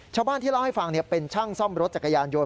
ชาวบ้านที่เล่าให้ฟังเป็นช่างซ่อมรถจักรยานยนต